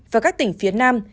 và các tỉnh phía nam